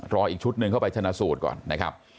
รออีกชุดหนึ่งเข้าไปชนะสูตรก่อน